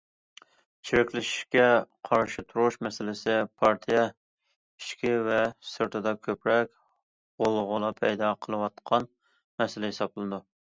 چىرىكلىشىشكە قارشى تۇرۇش مەسىلىسى پارتىيە ئىچى ۋە سىرتىدا كۆپرەك غۇلغۇلا پەيدا قىلىۋاتقان مەسىلە ھېسابلىنىدۇ.